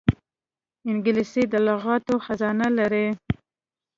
انګلیسي د لغاتو خزانه لري